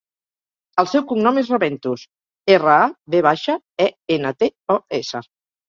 El seu cognom és Raventos: erra, a, ve baixa, e, ena, te, o, essa.